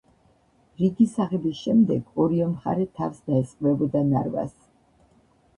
რიგის აღების შემდეგ ორივე მხარე თავს დაესხმებოდა ნარვას.